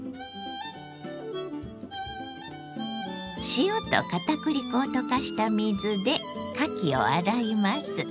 塩と片栗粉を溶かした水でかきを洗います。